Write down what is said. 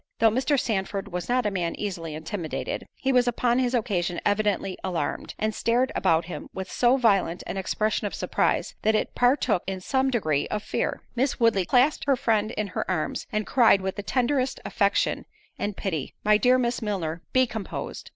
Though Mr. Sandford was not a man easily intimidated, he was upon this occasion evidently alarmed; and stared about him with so violent an expression of surprise, that it partook, in some degree, of fear. Miss Woodley clasped her friend in her arms, and cried with the tenderest affection and pity, "My dear Miss Milner, be composed."